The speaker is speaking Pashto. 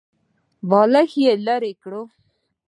بالښت يې ليرې کړ.